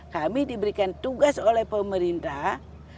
kami diberikan tugas oleh pemerintah